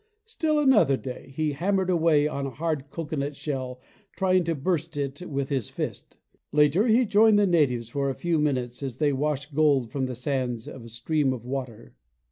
Still another day, he hammered away on a hard coconut shell trying to burst it with his fist. Later, he joined the na tives for a few minutes as they washed gold from the sands of a stream of water.